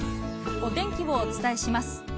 お天気をお伝えします。